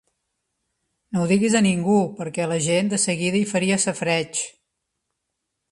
No ho diguis a ningú, perquè la gent de seguida hi faria safareig.